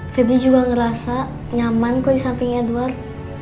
febri juga ngerasa nyaman kok di samping edward